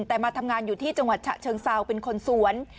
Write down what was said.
แต่มาทำงานอยู่ที่จังหวัดฉะเชิงเซาเป็นคนสวน